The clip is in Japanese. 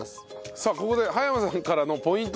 さあここで羽山さんからのポイントです。